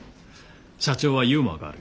社長はユーモアがある。